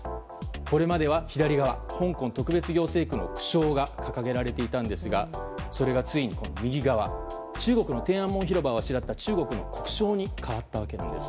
これまでは左側香港特別行政区の国章が掲げられていたんですがついに右側中国の天安門広場をあしらった中国の国章に変わったわけです。